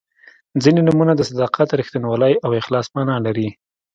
•ځینې نومونه د صداقت، رښتینولۍ او اخلاص معنا لري.